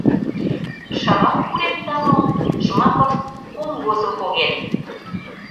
— Шагал пурен, да мо Жмаков кум возым поген?